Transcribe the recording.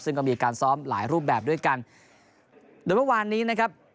ซึ่งก็มีการซ้อมหลายรูปแบบด้วยกันโดยเมื่อวานนี้นะครับ